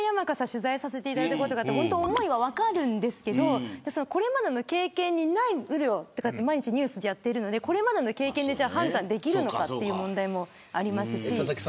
取材させていただいたことがあって思いは分かるんですけどこれまで経験のない雨量と毎日ニュースでやってるのでこれまでの経験で判断できるのかという問題もあるし。